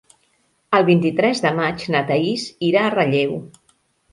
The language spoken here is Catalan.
El vint-i-tres de maig na Thaís irà a Relleu.